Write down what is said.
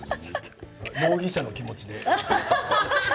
容疑者の気持ちで。